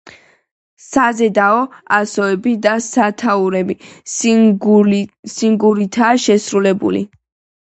საზედაო ასოები და სათაურები სინგურითაა შესრულებული.